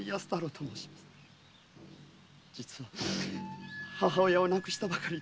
実は母親を亡くしたばかりで。